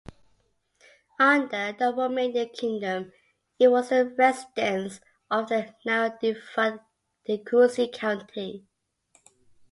Under the Romanian Kingdom, it was the residence of the now-defunct Tecuci County.